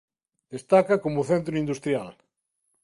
Destaca como centro industrial.